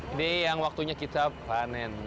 ini yang waktunya kita panen